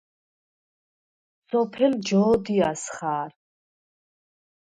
სოფელ ჯო̄დიას ხა̄რ.